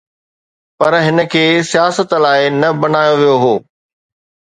پر هن کي سياست لاءِ نه بڻايو ويو هو.